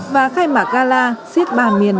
và khai mạc gala siết ba miền